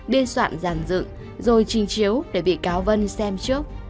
biên soạn giàn dựng rồi trình chiếu để bị cáo vân xem trước